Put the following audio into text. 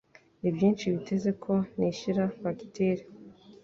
Nibyinshi biteze ko nishyura fagitire.